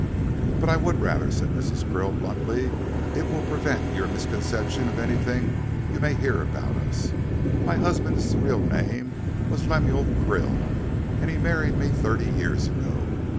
"But I would rather," said Mrs. Krill, bluntly; "it will prevent your misconception of anything you may hear about us. My husband's real name was Lemuel Krill, and he married me thirty years ago.